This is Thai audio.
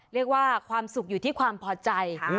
เรียกว่าความสุขอยู่ที่ความพอใจ